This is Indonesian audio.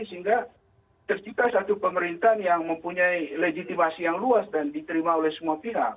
sehingga tercipta satu pemerintahan yang mempunyai legitimasi yang luas dan diterima oleh semua pihak